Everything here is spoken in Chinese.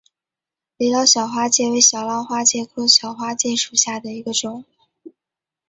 李老小花介为小浪花介科小花介属下的一个种。